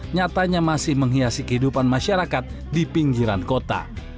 nyatanya masih menghiasi kehidupan masyarakat di pinggiran kota